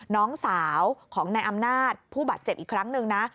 น้องสาวของนายอำนาจผู้บาดเจ็บอีกครั้งหนึ่งนะ